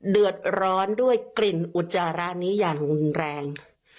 เดือดร้อนด้วยกลิ่นอุจจาระนี้อย่างรุนแรง